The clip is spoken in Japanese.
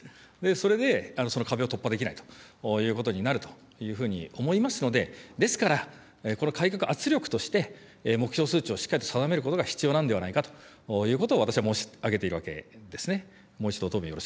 それでその壁を突破できないということになるというふうに思いますので、ですから、この改革、圧力として、目標数値をしっかりと定めることが必要なんではないかということを、私は申し上げているわけですね。